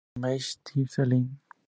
Le Meix-Tiercelin